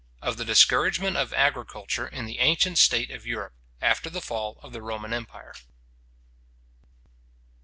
OF THE DISCOURAGEMENT OF AGRICULTURE IN THE ANCIENT STATE OF EUROPE, AFTER THE FALL OF THE ROMAN EMPIRE.